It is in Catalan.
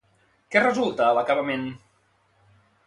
Què resulta a l'acabament?